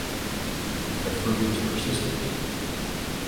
The fruit is persistent.